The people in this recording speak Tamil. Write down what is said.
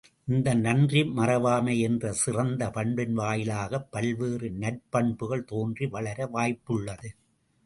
இந்த நன்றி மறவாமை என்ற சிறந்த பண்பின் வாயிலாகப் பல்வேறு நற்பண்புகள் தோன்றி வளர வாய்ப்புள்ளது.